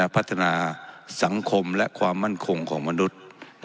พัฒนาสังคมและความมั่นคงของมนุษย์